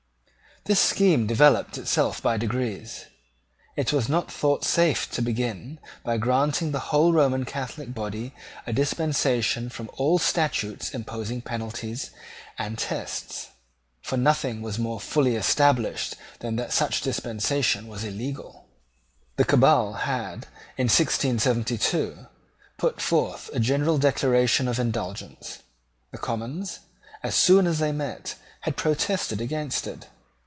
This scheme developed itself by degrees. It was not thought safe to begin by granting to the whole Roman Catholic body a dispensation from all statutes imposing penalties and tests. For nothing was more fully established than that such a dispensation was illegal. The Cabal had, in 1672, put forth a general Declaration of Indulgence. The Commons, as soon as they met, had protested against it.